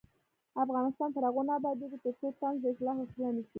افغانستان تر هغو نه ابادیږي، ترڅو طنز د اصلاح وسیله نشي.